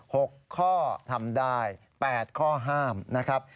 หกข้อทำได้แปดข้อห้ามนะครับ